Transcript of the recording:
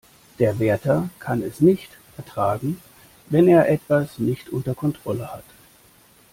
Der Wärter kann es nicht ertragen, wenn er etwas nicht unter Kontrolle hat.